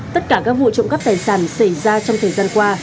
tất cả các vụ trộm cắp tài sản xảy ra trong thời gian qua